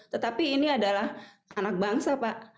tetapi ini adalah anak bangsa pak